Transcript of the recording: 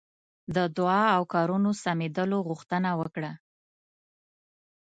د دعا او کارونو سمېدلو غوښتنه وکړه.